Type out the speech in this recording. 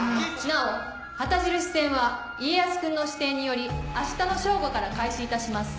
なお旗印戦は家康君の指定により明日の正午から開始いたします。